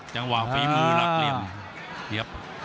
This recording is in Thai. จังหวะฝีมือหลักเหลี่ยม